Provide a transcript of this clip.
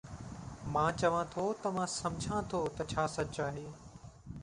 مان چوان ٿو ته مان سمجهان ٿو ته ڇا سچ آهي